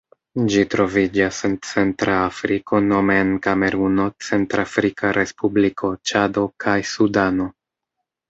Ĝi troviĝas en centra Afriko nome en Kameruno, Centrafrika Respubliko, Ĉado kaj Sudano.